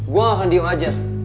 gue gak akan diam saja